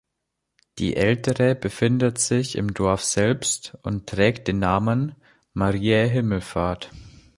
Die ältere befindet sich im Dorf selbst und trägt den Namen „Mariä Himmelfahrt“.